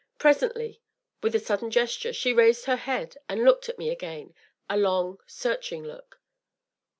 Presently, with a sudden gesture, she raised her head and looked at me again a long, searching look.